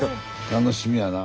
楽しみやな。